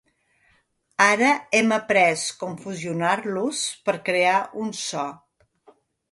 Ara hem après com fusionar-los per crear un so.